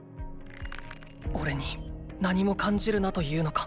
おれに何も感じるなと言うのか。